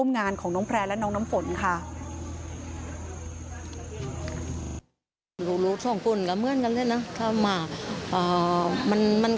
น้องน้ำฝนค่ะ